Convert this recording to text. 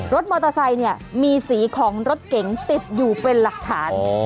รถมอเตอร์ไซค์เนี่ยมีสีของรถเก๋งติดอยู่เป็นหลักฐาน